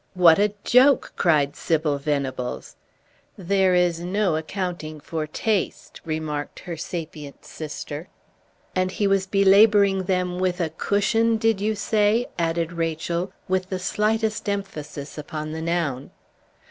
"What a joke!" cried Sybil Venables. "There is no accounting for taste," remarked her sapient sister. "And he was belaboring them with a cushion, did you say?" added Rachel, with the slightest emphasis upon the noun.